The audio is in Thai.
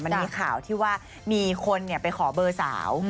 มันมีข่าวที่ว่ามีคนไปขอเบอร์สาว